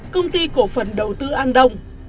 công ty cổ phần đầu tư an đông